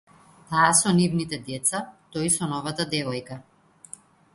Таа со нивните деца, тој со новата девојка